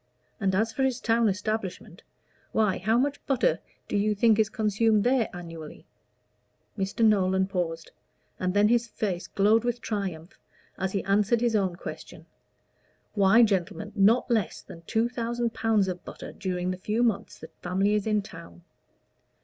And as for his town establishment why, how much butter do you think is consumed there annually?" Mr. Nolan paused, and then his face glowed with triumph as he answered his own question. "Why, gentlemen, not less than two thousand pounds of butter during the few months the family is in town!